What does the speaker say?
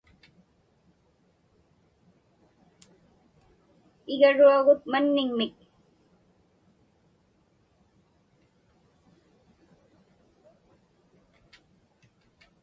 Igaruagut manniŋmik.